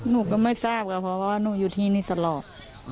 ลูกก็ไม่ทราบก็เพราะว่าลูกอยู่ที่นี่สะลอก